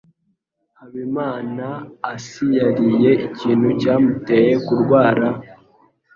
habimanaasiyariye ikintu cyamuteye kurwara.